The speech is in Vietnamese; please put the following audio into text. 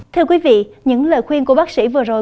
thưa quý vị những lời khuyên của bác sĩ vừa rồi